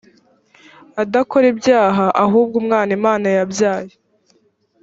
adakora ibyaha ahubwo umwana imana yabyaye